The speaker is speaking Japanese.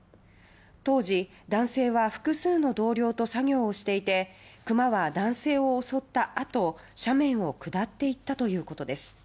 当時、男性は複数の同僚と作業をしていてクマは男性を襲ったあと、斜面を下っていったということです。